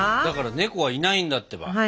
だから猫はいないんだってば！